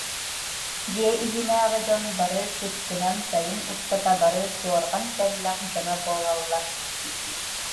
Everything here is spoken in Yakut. Дьиэ иһинээҕи дьон бары сыстыһан сайын устата бары суорҕан-тэллэх дьоно буолаллар